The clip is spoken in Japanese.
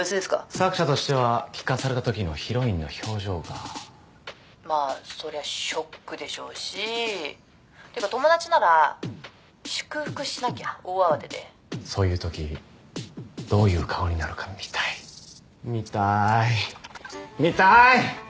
作者としては聞かされたときのヒロインの表情がまあそりゃショックでしょうしってか友達なら祝福しなきゃ大慌てでそういうときどういう顔になるか見たい見たーい見たーい！